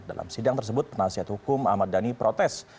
dalam sidang tersebut penasihat hukum ahmad dhani protes